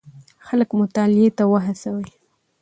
خلک مطالعې ته وهڅوئ.